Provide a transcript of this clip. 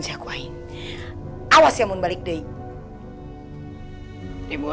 jangan macem macem ya